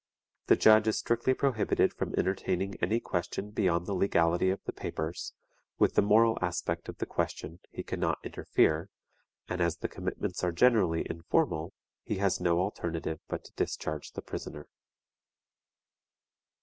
The judge is strictly prohibited from entertaining any question beyond the legality of the papers; with the moral aspect of the question he can not interfere, and as the commitments are generally informal he has no alternative but to discharge the prisoner.